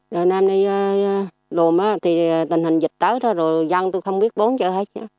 rồi năm nay đồm thì tình hình dịch tới rồi dân tôi không biết bốn chợ hết